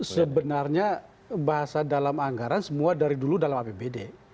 sebenarnya bahasa dalam anggaran semua dari dulu dalam apbd